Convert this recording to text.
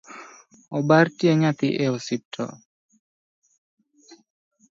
Obar tie nyathi e osiptal